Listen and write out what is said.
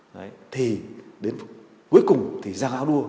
đấy thì đến cuối cùng thì giang anua